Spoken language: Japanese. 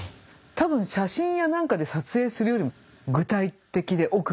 多分写真や何かで撮影するよりも具体的で奥が深いんですよ。